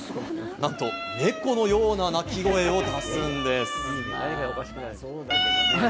なんと猫のような鳴き声を出ニャン。